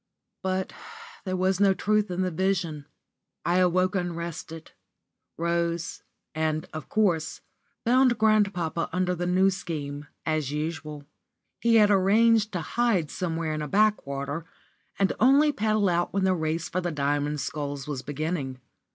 *_ But there was no truth in the vision. I awoke unrested rose, and, of course, found grandpapa under the New Scheme, as usual. He had arranged to hide somewhere in a backwater, and only paddle out when the race for the Diamond Sculls was beginning.